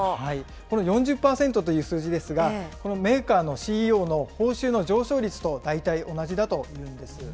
この４０％という数字ですが、メーカーのＣＥＯの報酬の上昇率と大体同じだというんです。